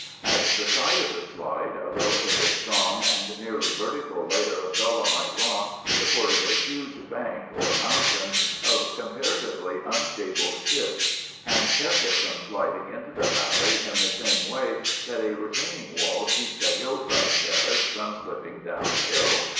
At the site of the slide, a relatively strong and nearly vertical layer of dolomite rock supported a huge bank, or mountain, of comparatively unstable schist and kept it from sliding into the valley in the same way that a retaining wall keeps a hillside terrace from slipping downhill.